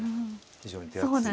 非常に手厚い。